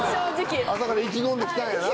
朝から意気込んで来たんやな？